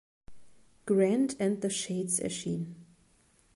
Grand and the Shades erschien.